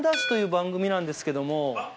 ＤＡＳＨ‼』という番組なんですけども。